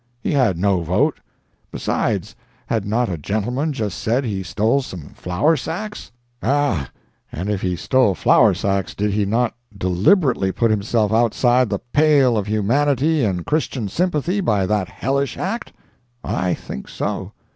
He had no vote. Besides, had not a gentleman just said he stole some flour sacks? Ah, and if he stole flour sacks, did he not deliberately put himself outside the pale of humanity and Christian sympathy by that hellish act? I think so.